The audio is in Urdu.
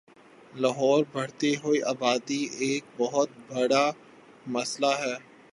لاہور بڑھتی ہوئی آبادی ایک بہت بڑا مسلہ ہے